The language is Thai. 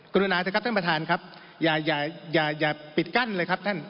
รุณาเถอะครับท่านประธานครับอย่าอย่าปิดกั้นเลยครับท่าน